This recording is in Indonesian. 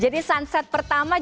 jadi sunset pertama juga